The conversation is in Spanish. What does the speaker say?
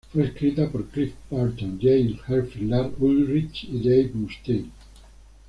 Fue escrita por Cliff Burton, James Hetfield, Lars Ulrich y Dave Mustaine.